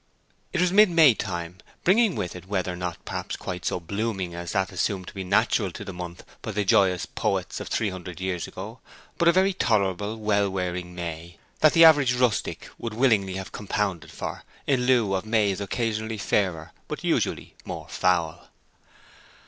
It was mid May time, bringing with it weather not, perhaps, quite so blooming as that assumed to be natural to the month by the joyous poets of three hundred years ago; but a very tolerable, well wearing May, that the average rustic would willingly have compounded for in lieu of Mays occasionally fairer, but usually more foul.